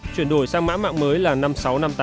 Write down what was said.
chuyển đổi sang mã mạng mới là năm mươi sáu